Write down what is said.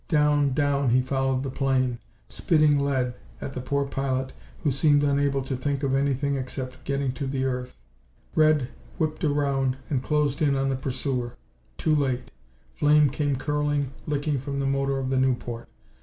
Down, down, he followed the plane, spitting lead at the poor pilot who seemed unable to think of anything except getting to the earth. As the planes came down to a level with McGee's flight, Red whipped around and closed in on the pursuer. Too late! Flame came curling, licking from the motor of the Nieuport.